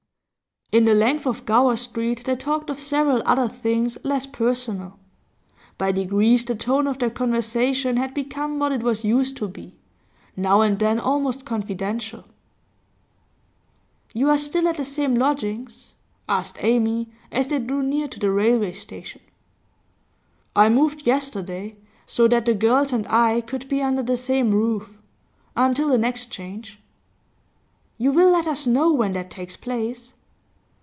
In the length of Gower Street they talked of several other things less personal. By degrees the tone of their conversation had become what it was used to be, now and then almost confidential. 'You are still at the same lodgings?' asked Amy, as they drew near to the railway station. 'I moved yesterday, so that the girls and I could be under the same roof until the next change.' 'You will let us know when that takes place?